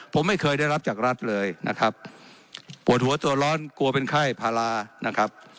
ผมไม่เคยได้รับจากรัฐเลยนะครับปวดหัวตัวร้อนกลัวเป็นไข้พารานะครับ